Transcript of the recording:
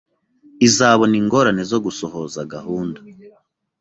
Uzabona ingorane zo gusohoza gahunda.